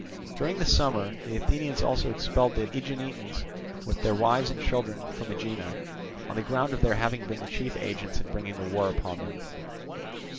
During the summer the Athenians also expelled the Aeginetans with their wives and children from Aegina, on the ground of their having been the chief agents in bringing the war upon them.